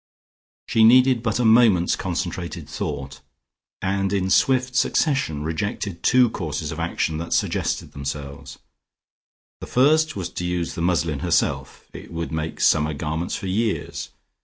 She needed but a moment's concentrated thought, and in swift succession rejected two courses of action that suggested themselves. The first was to use the muslin herself; it would make summer garments for years.